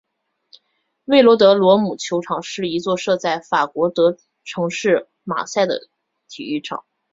韦洛德罗姆球场是一座设在法国城市马赛的体育场。